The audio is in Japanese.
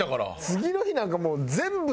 次の日なんかもう。